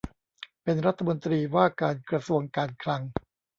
เป็นรัฐมนตรีว่าการกระทรวงการคลัง